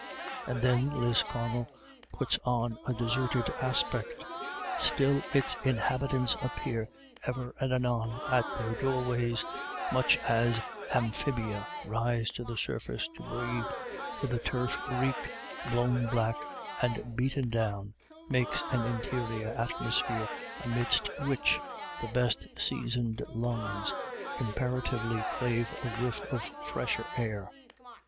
And then Lisconnel puts on a deserted aspect. Still, its inhabitants appear ever and anon at their doorways, much as amphibia rise to the surface to breathe, for the turf reek, blown back 78 IRISH IDYLLS. and beaten down, makes an interior atmosphere amidst which the best seasoned lungs imperatively crave a whiff of fresher air.